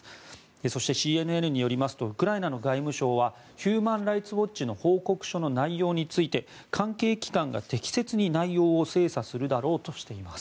そして、ＣＮＮによりますとウクライナの外務省はヒューマン・ライツ・ウォッチの報告書の内容について関係機関が適切に内容を精査するだろうとしています。